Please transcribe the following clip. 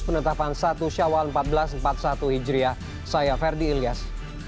penetapan satu syawal seribu empat ratus empat puluh satu hijriah saya ferdi ilyas